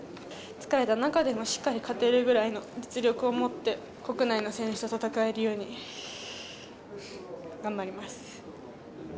疲れた中でもしっかり勝てるぐらいの実力を持って、国内の選手と戦えるように頑張ります。